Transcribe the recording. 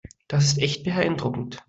Das ist echt beeindruckend.